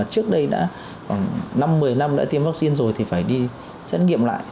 trước đây đã khoảng năm một mươi năm đã tiêm vaccine rồi thì phải đi xét nghiệm lại